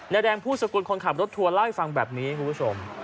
แรงผู้สกุลคนขับรถทัวร์เล่าให้ฟังแบบนี้คุณผู้ชม